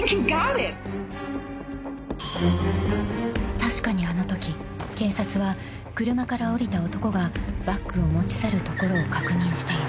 ［確かにあのとき警察は車から降りた男がバッグを持ち去るところを確認している］